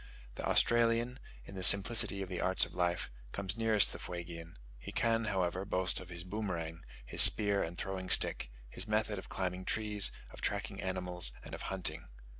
The Australian, in the simplicity of the arts of life, comes nearest the Fuegian: he can, however, boast of his boomerang, his spear and throwing stick, his method of climbing trees, of tracking animals, and of hunting.